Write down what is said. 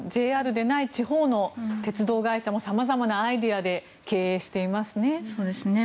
ＪＲでない地方の鉄道会社も様々なアイデアで経営していますね。